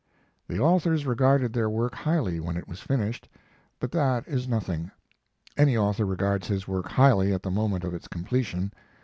The authors regarded their work highly when it was finished, but that is nothing. Any author regards his work highly at the moment of its completion.